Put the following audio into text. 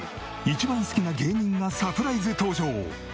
一番好きな芸人がサプライズ登場。